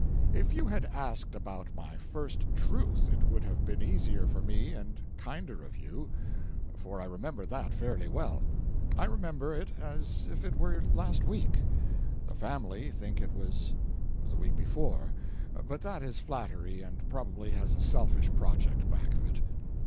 If you had asked about my first truth it would have been easier for me and kinder of you, for I remember that fairly well. I remember it as if it were last week. The family think it was week before, but that is flattery and probably has a selfish project back of it.